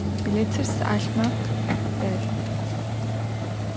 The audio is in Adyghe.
Bilêtır si'alhmekh delh.